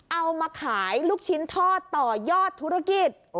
เอามาขายลูกชิ้นทอดต่อยอดธุรกิจ